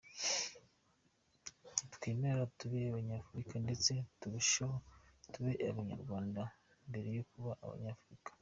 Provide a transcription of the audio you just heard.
Nitwemere tube abanyafurika, ndetse turusheho tube abanyarwanda mbere yo kuba abanyafurika.